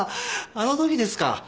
あのときですか。